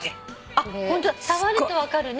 あっホントだ触ると分かるね。